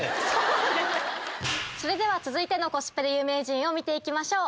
それでは続いてのコスプレ有名人見て行きましょう。